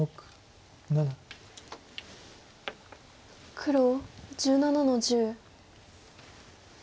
黒１７の十。